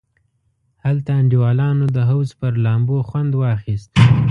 هلته انډیوالانو د حوض پر لامبو خوند واخیست.